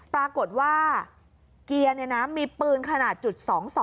ปรากฏว่าเกียร์มีปืนขนาดจุด๒๒